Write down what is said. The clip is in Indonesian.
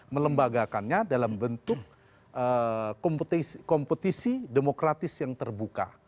melembagakannya dalam bentuk kompetisi demokratis yang terbuka